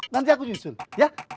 nanti aku justru ya